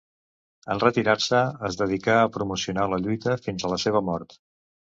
En retirar-se es dedicà a promocionar la lluita fins a la seva mort.